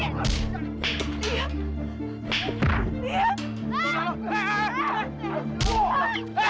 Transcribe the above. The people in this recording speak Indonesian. kalau grandesrait itu keluarga